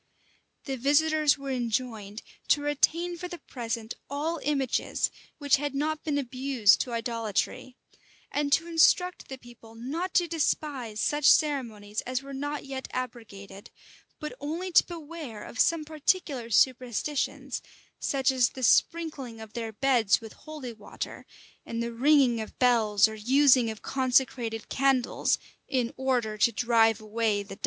The visitors were enjoined to retain for the present all images which had not been abused to idolatry; and to instruct the people not to despise such ceremonies as were not yet abrogated, but only to beware of some particular superstitions, such as the sprinkling of their beds with holy water, and the ringing of bells, or using of consecrated candles, in order to drive away the devil.